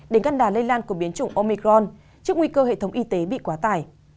để ngăn đàn lây lan của biến chủng omicron trước nguy cơ hệ thống y tế bị quá tải